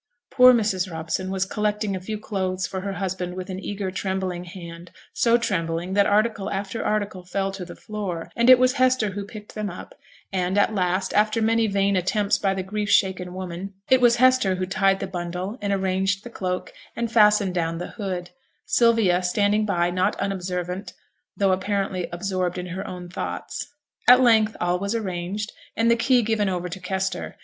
Poor Mrs. Robson was collecting a few clothes for her husband with an eager, trembling hand, so trembling that article after article fell to the floor, and it was Hester who picked them up; and at last, after many vain attempts by the grief shaken woman, it was Hester who tied the bundle, and arranged the cloak, and fastened down the hood; Sylvia standing by, not unobservant, though apparently absorbed in her own thoughts. At length, all was arranged, and the key given over to Kester.